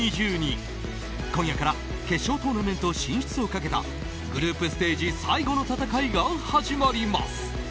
今夜から決勝トーナメント進出をかけたグループステージ最後の戦いが始まります。